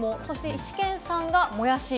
イシケンさんがモヤシ。